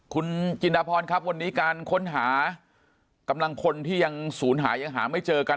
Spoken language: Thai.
คุณจินดาพรครับวันนี้การค้นหากำลังพลที่ยังศูนย์หายังหาไม่เจอกัน